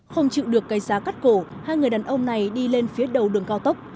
không chịu được cây giá cắt cổ hai người đàn ông này đi lên phía đầu đường cao tốc